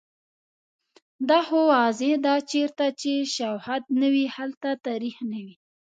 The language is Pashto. دا خو واضحه ده چیرته چې شوهد نه وي، هلته تاریخ نه وي